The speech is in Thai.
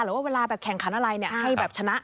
หรือว่าเวลาแข่งขันอะไรเนี่ย